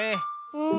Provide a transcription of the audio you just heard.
うん。